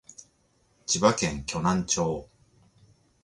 千葉県鋸南町